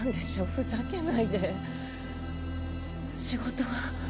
ふざけないで仕事は？